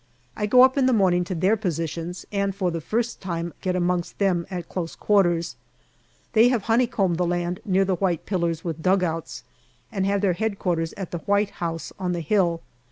I go up in the morning to their positions, and for the first time get amongst them at close quarters. They have honeycombed the land near the white pillars with dugouts and have their H.Q. at the White House on the hill.